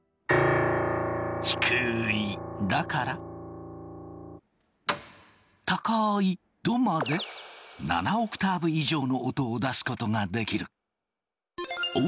低い「ラ」から高い「ド」まで７オクターブ以上の音を出すことができる。